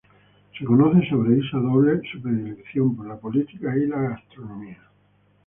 Se conoce sobre Isa Dobles su predilección por la política y la gastronomía.